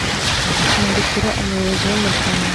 Kwandikira Umuyobozi w umuryango